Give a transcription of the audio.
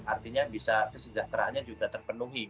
artinya bisa kesejahteraannya juga terpenuhi